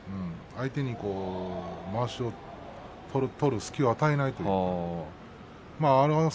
相手にまわしを取る隙を与えませんでした。